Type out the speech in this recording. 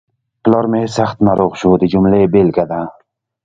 پلار مې سخت ناروغ شو د جملې بېلګه ده.